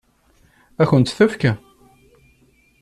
Ad kent-tt-tefk?